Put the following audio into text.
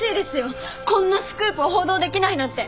こんなスクープ報道できないなんて。